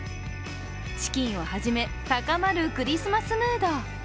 チキンをはじめ高まるクリスマスムード。